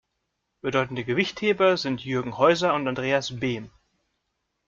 Bedeutende Gewichtheber sind Jürgen Heuser und Andreas Behm.